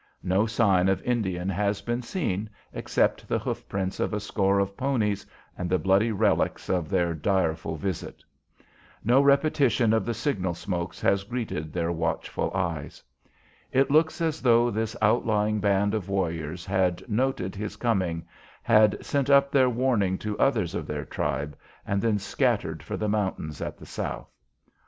No sign of Indian has been seen except the hoof prints of a score of ponies and the bloody relics of their direful visit. No repetition of the signal smokes has greeted their watchful eyes. It looks as though this outlying band of warriors had noted his coming, had sent up their warning to others of their tribe, and then scattered for the mountains at the south.